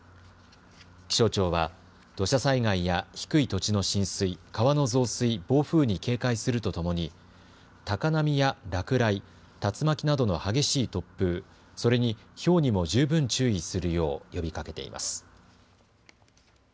気象庁は土砂災害や低い土地の浸水、川の増水、暴風に警戒するとともに高波や落雷、竜巻などの激しい突風、それにひょうにも十分注意するよう呼びかけています。